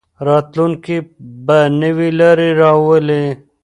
راتلونکی به نوې لارې راولي.